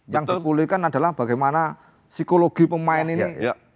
yang dikulikan adalah bagaimana psikologi pemain ini bisa berpengaruh